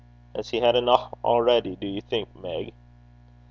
'Has he had eneuch already, do ye think, Meg?'